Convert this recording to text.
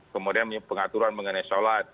kemudian pengaturan mengenai sholat